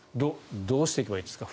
どうしていけばいいですか？